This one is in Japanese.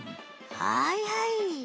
はいはい。